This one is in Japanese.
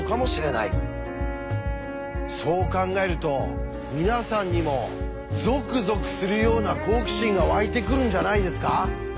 そう考えると皆さんにもゾクゾクするような好奇心がわいてくるんじゃないですか？